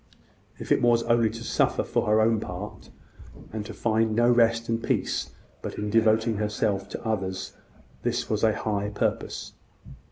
If it was only to suffer for her own part, and to find no rest and peace but in devoting herself to others this was a high purpose.